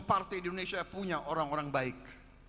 partai di indonesia punya orang orang baik